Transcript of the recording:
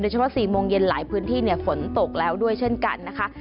เฉพาะ๔โมงเย็นหลายพื้นที่ฝนตกแล้วด้วยเช่นกันนะคะ